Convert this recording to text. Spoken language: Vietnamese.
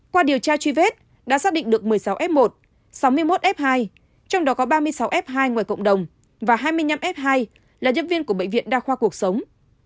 qua điều tra truy vết đã xác định được một mươi sáu f một sáu mươi một f hai trong đó có ba mươi sáu f hai ngoài cộng đồng và hai mươi năm f hai là nhân viên của bệnh viện đa khoa cuộc sống